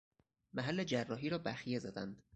محل جراحی را بخیه زدند